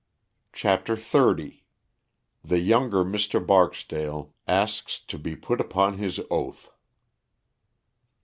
CHAPTER XXX. _The younger Mr. Barksdale Asks to be put upon His Oath.